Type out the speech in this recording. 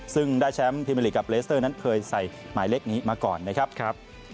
ซึ่งได้แชมป์พรีเมอร์ลีกกับเลสเตอร์นั้นเคยใส่หมายเลขนี้มาก่อนนะครับ